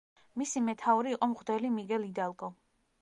მისი მეთაური იყო მღვდელი მიგელ იდალგო.